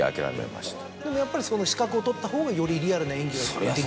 でもやっぱり資格を取った方がよりリアルな演技ができる？